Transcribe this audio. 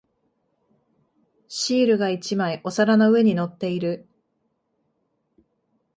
シールが一枚お皿の上に乗っている。